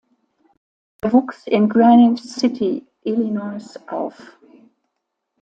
Er wuchs in Granite City, Illinois auf.